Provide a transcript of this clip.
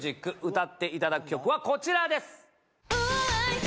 歌っていただく曲はこちらです。